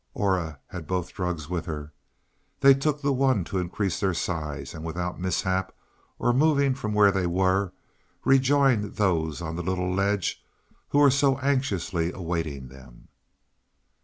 Aura had both drugs with her. They took the one to increase their size, and without mishap or moving from where they were, rejoined those on the little ledge who were so anxiously awaiting them.